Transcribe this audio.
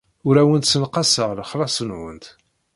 Ur awent-ssenqaseɣ lexlaṣ-nwent.